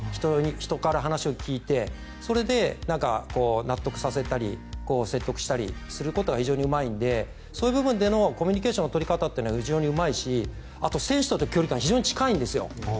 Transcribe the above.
人から話を聞いてそれで何か納得させたり説得したりすることが非常にうまいのでそういう部分でのコミュニケーションの取り方が非常にうまいしあと、選手との距離感が非常に近いんですよ。